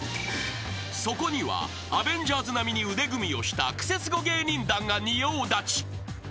［そこにはアベンジャーズ並みに腕組みをしたクセスゴ芸人団が仁王立ち］